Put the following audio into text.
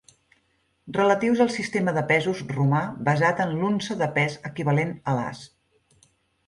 Relatius al sistema de pesos romà basat en l'unça de pes equivalent a l'as.